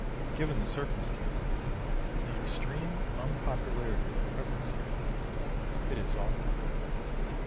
Given the circumstances, and the extreme unpopularity of their presence here, it is awkward.